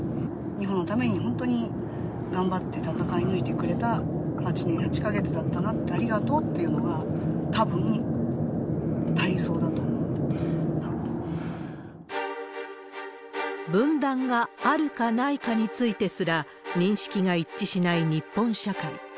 日本のために本当に頑張って闘い抜いてくれた８年８か月だったな、ありがとうっていうのが、分断があるかないかについてすら、認識が一致しない日本社会。